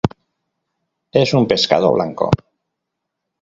Es un pescado blanco.